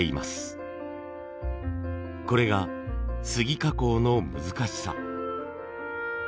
これがスギ加工の難しさ。